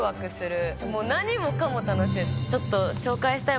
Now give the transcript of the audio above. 何もかも楽しい。